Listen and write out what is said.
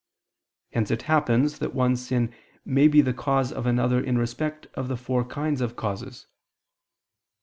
Hence it happens that one sin may be the cause of another in respect of the four kinds of causes.